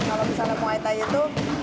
kalau misalnya muay thai itu